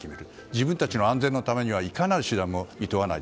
自分たちの安全のためにはいかなる手段もいとわない。